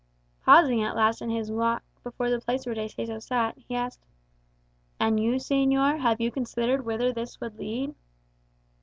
Pausing at last in his walk before the place where De Seso sat, he asked, "And you, señor, have you considered whither this would lead?"